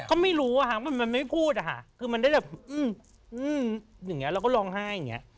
เขาไม่รู้มันไม่พูดคือมันได้แบบอย่างนี้เราก็ร้องไห้อย่างนี้